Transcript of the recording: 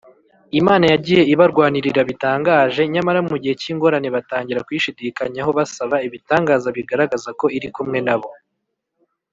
”Imana yagiye ibarwanirira bitangaje; nyamara mu gihe cy’ingorane batangira kuyishidikanyaho, basaba ibitangaza bigaragaza ko Iri kumwe na bo